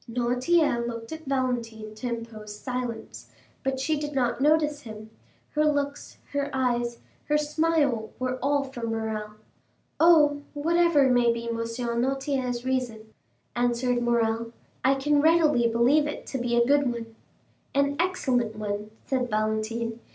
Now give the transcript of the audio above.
Noirtier looked at Valentine to impose silence, but she did not notice him; her looks, her eyes, her smile, were all for Morrel. "Oh, whatever may be M. Noirtier's reason," answered Morrel, "I can readily believe it to be a good one." "An excellent one," said Valentine.